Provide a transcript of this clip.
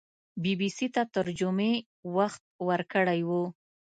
بي بي سي ته تر جمعې وخت ورکړی وو